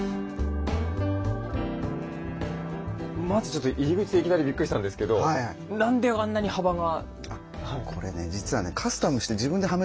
まずちょっと入り口でいきなりびっくりしたんですけど何であんなに幅が。